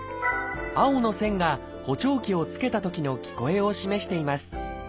青の線が補聴器を着けたときの聞こえを示しています。